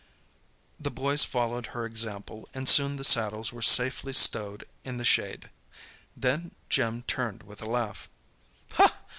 The boys followed her example and soon the saddles were safely stowed in the shade. Then Jim turned with a laugh.